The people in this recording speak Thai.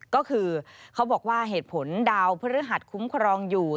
ก็คือเขาบอกว่าเหตุผลดาวพฤหัสคุ้มครองอยู่